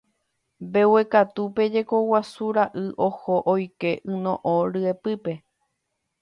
Mbeguekatúpe jeko guasu ra'y oho oike yno'õ ryepýpe.